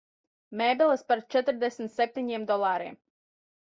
Mēbeles par četrdesmit septiņiem dolāriem.